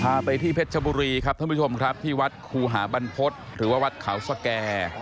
พาไปที่เพชรชบุรีครับท่านผู้ชมครับที่วัดครูหาบรรพฤษหรือว่าวัดเขาสแก่